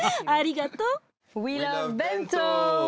ありがとう。